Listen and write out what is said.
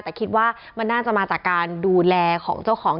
แต่คิดว่ามันน่าจะมาจากการดูแลของเจ้าของ